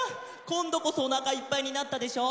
こんどこそおなかいっぱいになったでしょ？